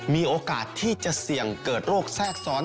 มีโอกาสที่จะเสี่ยงเกิดโรคแทรกซ้อน